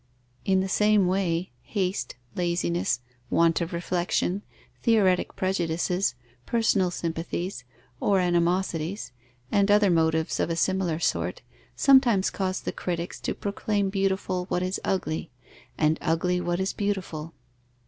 In the same way, haste, laziness, want of reflexion, theoretic prejudices, personal sympathies, or animosities, and other motives of a similar sort, sometimes cause the critics to proclaim beautiful what is ugly, and ugly what is beautiful.